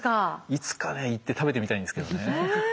いつか行って食べてみたいんですけどね。